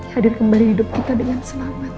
hadir kembali hidup kita dengan selamat